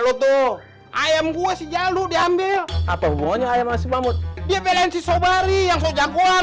lu tuh ayam gua si jaluk diambil apa hubungannya ayam masih mamut dia beli si sobari yang sejagoan